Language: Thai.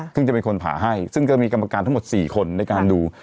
ซึ่งจะเป็นคนผ่าให้ซึ่งก็มีกรรมการทั้งหมด๔คนในการดู